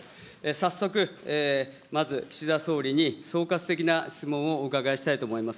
早速、まず、岸田総理に、総括的な質問をお伺いしたいと思います。